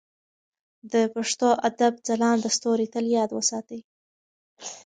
د پښتو ادب ځلانده ستوري تل یاد وساتئ.